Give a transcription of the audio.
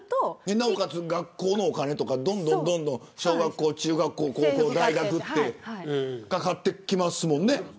なおかつ、学校のお金とか小学校、中学校高校、大学とお金かかってきますもんね。